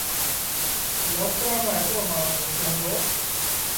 نوڪرآݩٚ مآݩٚ هڪڙو مآڻهوٚٚ اُت هُݩدو